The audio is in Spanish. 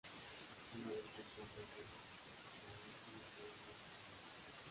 Una vez que encuentran una la paralizan y ponen un solo huevo.